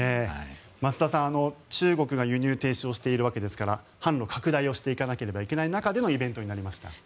増田さん、中国が輸入停止をしているわけですから販路拡大をしていかなければいけない中でのイベントになりました。